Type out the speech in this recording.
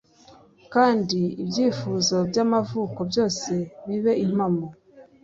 kandi ibyifuzo byamavuko byose bibe impamo